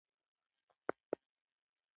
په دې خیال کې نه یو چې په هر ساعت کې.